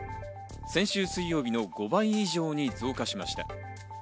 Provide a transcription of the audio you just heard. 先週水曜日の５倍以上に増加しました。